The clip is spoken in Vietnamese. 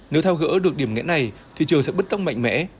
nếu theo gỡ được điểm nghẽ này thị trường sẽ bất tốc mạnh mẽ